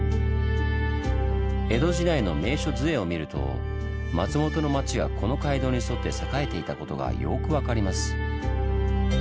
江戸時代の名所図会を見ると松本の町はこの街道に沿って栄えていたことがよく分かります。